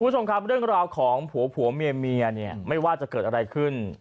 คุณผู้ชมครับเรื่องราวของผัวผัวเมียเนี่ยไม่ว่าจะเกิดอะไรขึ้น